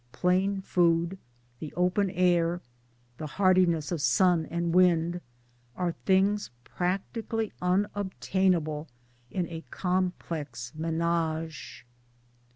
Plain food, the open air, the hardiness of sun and wind, are things practically unobtainable in a complex mdnag'e.